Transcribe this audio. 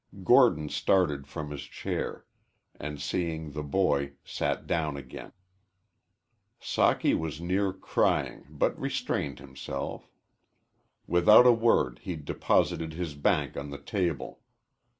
Gordon started from his chair, and, seeing the boy, sat down again. Socky was near crying but restrained himself. Without a word he deposited his bank on the table.